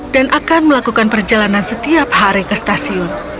dan akan melakukan perjalanan setiap hari ke stasiun